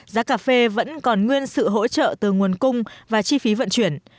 giá cà phê vẫn còn nguyên sự hỗ trợ từ nguồn cung và chi phí vận chuyển